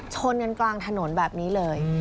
ชนกันกลางถนนแบบนี้เลย